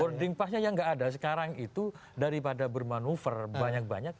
boarding pass nya yang tidak ada sekarang itu daripada bermanuver banyak banyak